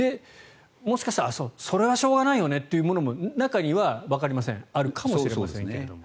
もしかしたらそれはしょうがないよねというものも中には、わかりませんあるかもしれませんけれども。